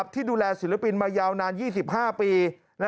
ที่ดูแลศิลปินมายาวนาน๒๕ปี